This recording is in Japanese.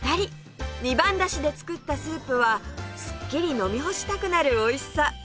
二番だしで作ったスープはすっきり飲みほしたくなるおいしさ！